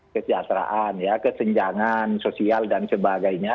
kesejahteraan ya kesenjangan sosial dan sebagainya